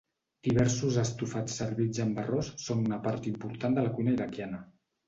Diversos estofats servits amb arròs són una part important de la cuina iraquiana.